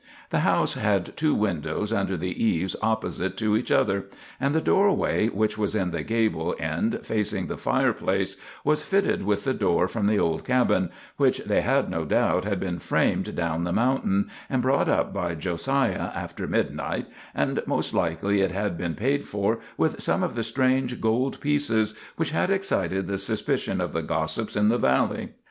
The house had two windows under the eaves opposite to each other; and the doorway, which was in the gable end facing the fireplace, was fitted with the door from the old cabin, which they had no doubt had been framed down the mountain, and brought up by Josiah after midnight, and most likely it had been paid for with some of the strange gold pieces which had excited the suspicion of the gossips in the valley.